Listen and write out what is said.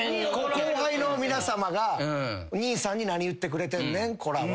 後輩の皆さまが「兄さんに何言ってくれてんねんコラ」は。